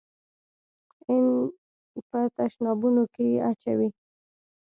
ان په تشنابونو کښې يې اچوي.